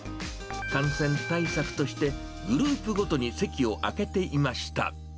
感染対策として、グループごとに席を空けていました。